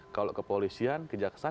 kalau kepolisian kejaksaan